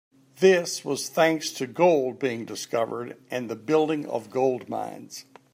This was thanks to gold being discovered and the building of gold mines.